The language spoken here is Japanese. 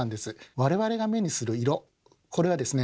我々が目にする色これはですね